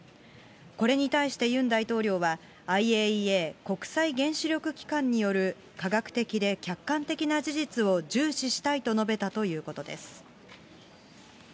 これに対してユン大統領は、ＩＡＥＡ・国際原子力機関による科学的で客観的な事実を重視したいと述べたということです。